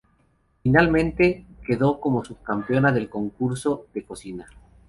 Finalmente quedó como subcampeona del concurso de cocina.